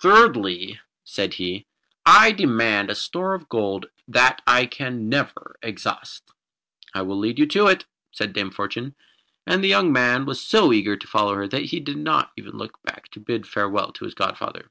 "Thirdly," said he, "I demand a store of gold that I can never exhaust." "I will lead you to it," said Dame Fortune; and the young man was so eager to follow her that he did not even look back to bid farewell to his godfather.